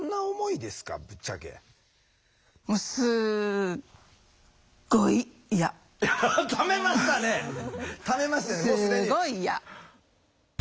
すごい嫌。